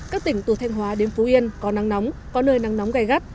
các tỉnh từ thanh hóa đến phú yên có nắng nóng có nơi nắng nóng gai gắt